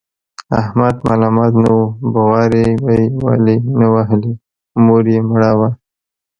احمد ملامت نه و، بغارې به یې ولې نه وهلې؛ مور یې مړه وه.